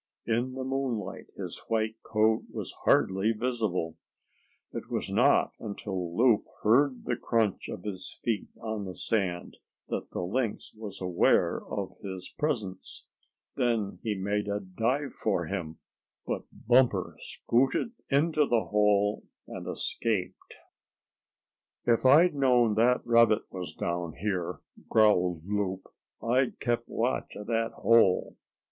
In the moonlight his white coat was hardly visible. It was not until Loup heard the crunch of his feet on the sand that the Lynx was aware of his presence. Then he made a dive for him, but Bumper scooted into the hole and escaped. "If I'd known that rabbit was down here," growled Loup, "I'd kept watch at that hole."